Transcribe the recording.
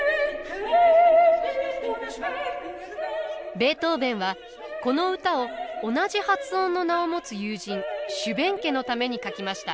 ベートーヴェンはこの歌を同じ発音の名を持つ友人シュヴェンケのために書きました。